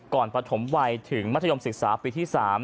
ก่อนประถมวัยถึงมัธยมศึกษาปีที่๓